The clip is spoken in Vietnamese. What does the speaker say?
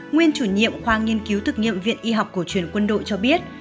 nguyên chủ nhiệm khoa nghiên cứu thực nghiệm viện y học cổ truyền quân đội cho biết